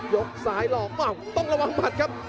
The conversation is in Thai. กซ้ายหลอกต้องระวังหมัดครับ